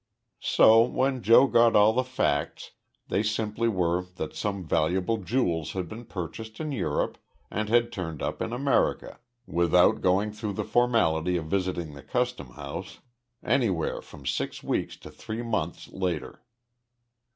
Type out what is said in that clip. So when Joe got all the facts they simply were that some valuable jewels had been purchased in Europe and had turned up in America, without going through the formality of visiting the customhouse, anywhere from six weeks to three months later.